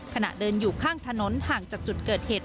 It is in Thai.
ขณะเดินอยู่ข้างถนนห่างจากจุดเกิดเหตุ